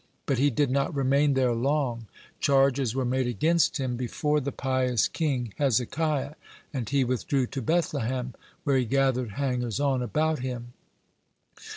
But he did not remain there long; charges were made against him before the pious king Hezekiah, and he withdrew to Bethlehem, where he gathered hangers on about him.